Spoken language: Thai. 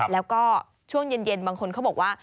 แล้วก็ช่วงเย็นบางคนเขาบอกว่า